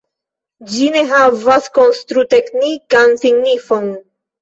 Ĝi ne havas konstru-teknikan signifon.